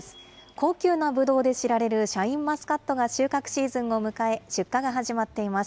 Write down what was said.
高級なぶどうで知られるシャインマスカットが収穫シーズンを迎え、出荷が始まっています。